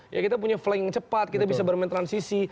ya kita punya flying cepat kita bisa bermain transisi